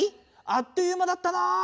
あっという間だったな！